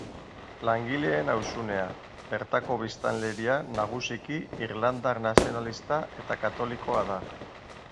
Langileen auzunea, bertako biztanleria nagusiki irlandar nazionalista eta katolikoa da.